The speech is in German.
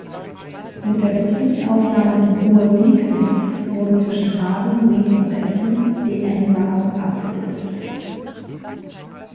Mit der Betriebsaufnahme im Ruhr-Sieg-Netz wurden zwischen Hagen, Siegen und Essen die n-Wagen abgelöst.